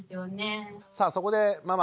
さあそこでママ